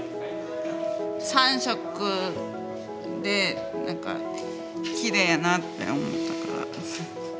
３色で何かきれいやなって思ったから。